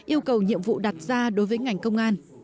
yêu cầu nhiệm vụ đặt ra đối với ngành công an